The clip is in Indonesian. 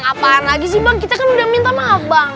apalagi sih bang kita kan udah minta maaf bang